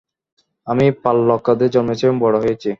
আমি পালাক্কাদে জন্মেছি এবং বড় হয়েছি।